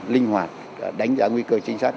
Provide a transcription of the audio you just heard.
linh hoạt đánh giá nguy cơ chính xác